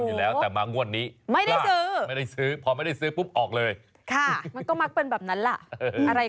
จะซื้อเลขทะเบียนรถตัวเองเป็นประจำอยู่แล้วแต่มางวดนี้